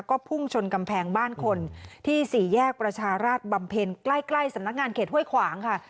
ก็พุ่งชนกำแพงบ้านคนที่สี่แยกประชาราชบำเพ็ญใกล้ใกล้สำนักงานเขตห้วยขวางค่ะ